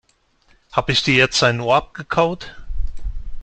Hab' ich dir jetzt ein Ohr abgekaut?